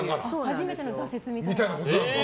初めての挫折みたいな。